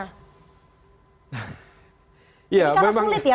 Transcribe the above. karena sulit ya